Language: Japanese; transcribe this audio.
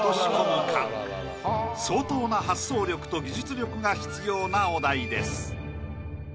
相当な発想力と技術力が必要なお題です。